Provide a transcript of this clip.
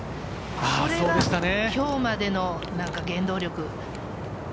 それが今日までの原動力。